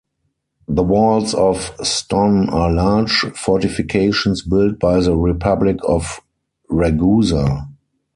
The Walls of Ston are large fortifications built by the Republic of Ragusa.